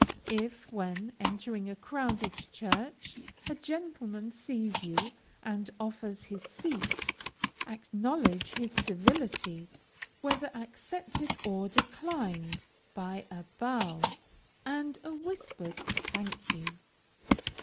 If, when entering a crowded church, a gentleman sees you and offers his seat, acknowledge his civility, whether accepted or declined, by a bow, and a whispered "thank you."